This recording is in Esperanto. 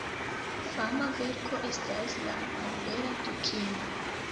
Fama verko estas "La malbela dukino".